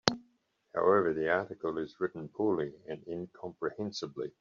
However, the article is written poorly and incomprehensibly.